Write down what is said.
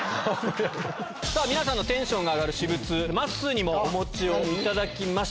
⁉皆さんのテンションが上がる私物まっすーもお持ちいただきました。